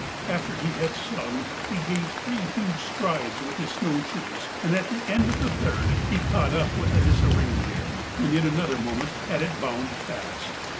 After he had sung, he gave three huge strides with his snow shoes, and at the end of the third he caught up with the Hisi reindeer, and in another moment had it bound fast.